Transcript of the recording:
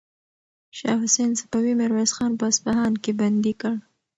شاه حسین صفوي میرویس خان په اصفهان کې بندي کړ.